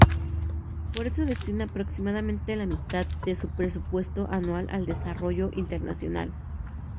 Por eso destina aproximadamente la mitad de su presupuesto anual al desarrollo internacional.